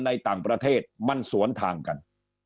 ในต่างประเทศมันสวนทางกัน